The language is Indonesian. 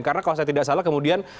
karena kalau saya tidak salah kemudian